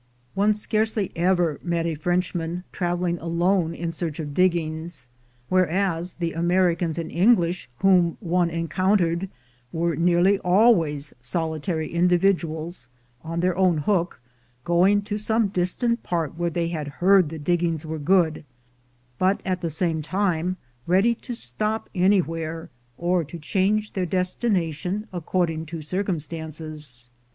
One scarcely ever met a Frenchman traveling alone in search of diggings; whereas the Americans and English whom one encountered were nearly always solitary individuals, "on their own hook," going to some distant part where they had heard the diggings were good, but at the same time ready to stop any FRENCHMEN IN THE MINES 347 where, or to change their destination according to cir cumstances.